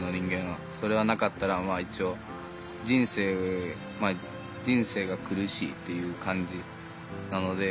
それがなかったらまあ一応人生が苦しいっていう感じなので。